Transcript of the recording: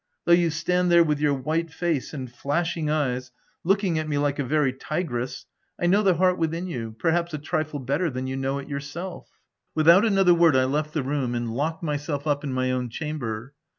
Though you stand there with your white face and flashing eyes, looking at me like a very tigress, I know the heart within you, perhaps a trifle better than you know it yourself." 84 THE TENANT Without another word, I left the room, and locked myself up in my own chamber.